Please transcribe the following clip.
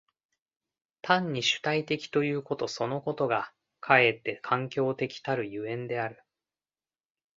単に主体的ということそのことがかえって環境的たる所以である。